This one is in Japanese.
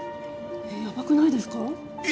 やばくないですか？